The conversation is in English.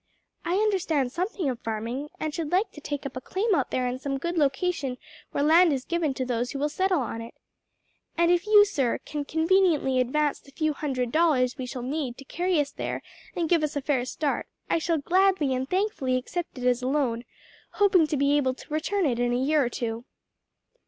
I understand something of farming and should like to take up a claim out there in some good location where land is given to those who will settle on it. And if you, sir, can conveniently advance the few hundred dollars we shall need to carry us there and give us a fair start, I shall gladly and thankfully accept it as a loan; hoping to be able to return it in a year or two."